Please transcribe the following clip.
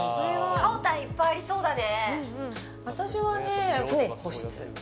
かおたんいっぱいありそうだね。